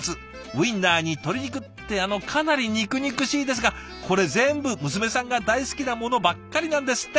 ウインナーに鶏肉ってあのかなり肉々しいですがこれ全部娘さんが大好きなものばっかりなんですって。